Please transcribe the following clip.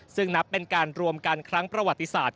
ซึ่งนับเป็นการรวมกันครั้งประวัติศาสต